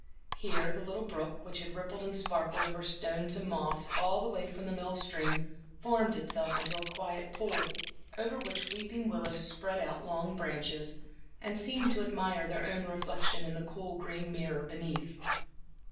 Here the little brook, which had rippled and sparkled over stones and moss all the way from the mill stream, formed itself into a quiet pool, over which weeping willows spread out long branches, and seemed to admire their own reflection in the cool green mirror beneath.